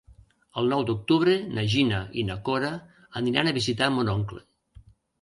El nou d'octubre na Gina i na Cora aniran a visitar mon oncle.